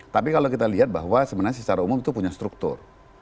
tapi kalau kita lihat bahwa sebenarnya secara umum itu punya struktur